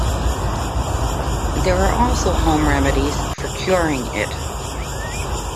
There are also home remedies for "curing" it.